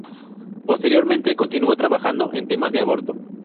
Posteriormente continuó trabajando en temas de aborto.